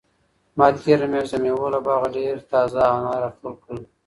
ما تېره میاشت د مېوو له باغه ډېر تازه انار راټول کړل.